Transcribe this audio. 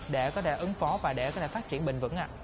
để có thể ứng phó và để có thể phát triển bình vững ạ